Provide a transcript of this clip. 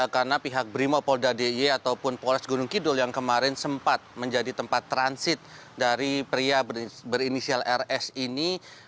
karena pihak brimopolda dy ataupun poles gunung kidul yang kemarin sempat menjadi tempat transit dari pria berinisial rs ini